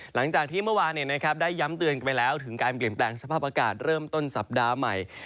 หลังจากที่เมื่อวานได้ย้ำเตือนกันไปแล้วถึงการเปลี่ยนแปลงสภาพอากาศเริ่มต้นสัปดาห์ใหม่